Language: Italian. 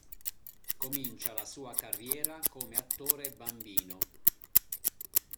Comincia la sua carriera come attore bambino.